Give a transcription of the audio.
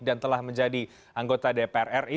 dan telah menjadi anggota dpr ri